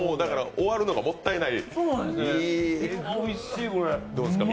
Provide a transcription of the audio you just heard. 終わるのがもったいない、ええ。